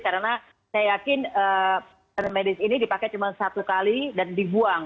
karena saya yakin permedis ini dipakai cuma satu kali dan dibuang